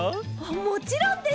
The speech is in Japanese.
もちろんです！